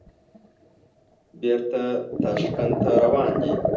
بېرته تاشکند ته روان دي.